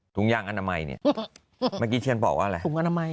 ถุงย่างอนามัยเนี่ยมากี้เชียนบอกว่าอะไร